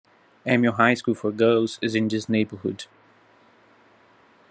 Amil High School for Girls is in this neighborhood.